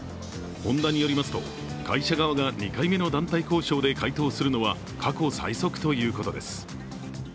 ホンダによりますと、会社側から２回目の団体交渉で回答するのは過去最速ということです。